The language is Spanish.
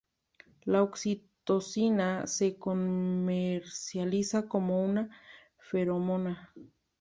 La oxitocina se comercializa como una feromona.